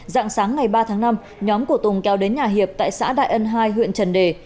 dạng sáng ngày ba tháng năm nhóm của tùng kéo đến nhà hiệp tại xã đại ân hai huyện trần đề